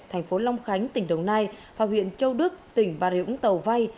thành phố long khánh tỉnh đồng nai và huyện châu đức tỉnh bà rịu úng tàu vai